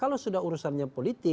kalau sudah urusan politik itu politik